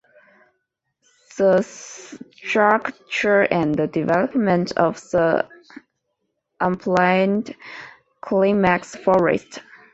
The Structure and Development of the Upland Climax Forest.